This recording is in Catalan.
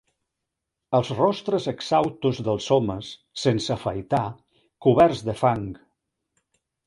Els rostres exhaustos dels homes, sense afaitar, coberts de fang